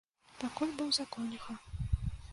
Пакуль быў за конюха.